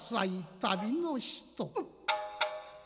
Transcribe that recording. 旅の人」。